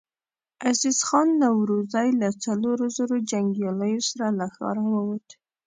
عزيز خان نورزی له څلورو زرو جنګياليو سره له ښاره ووت.